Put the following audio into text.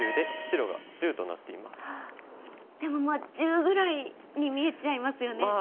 ああでもまあ１０ぐらいに見えちゃいますよね。